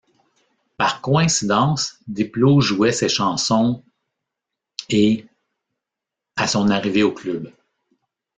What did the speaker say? Par coïncidence, Diplo jouait ses chansons ' et ' à son arrivée au club.